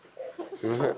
すいません。